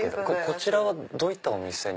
こちらはどういったお店に？